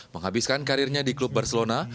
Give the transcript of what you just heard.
menghabiskan karirnya di klub barcelona